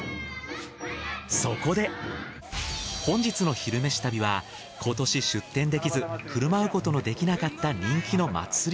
そこで本日の「昼めし旅」は今年出店できず振る舞うことのできなかった人気の祭り